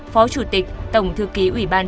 phó chủ tịch tổng thư ký ubnd